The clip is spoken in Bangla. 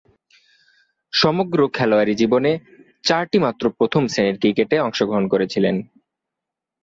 সমগ্র খেলোয়াড়ী জীবনে চারটিমাত্র প্রথম-শ্রেণীর ক্রিকেটে অংশগ্রহণ করেছিলেন।